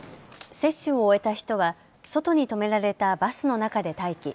接種を終えた人は外に止められたバスの中で待機。